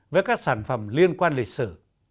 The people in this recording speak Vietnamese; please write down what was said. với các sản phẩm liên quan lịch sử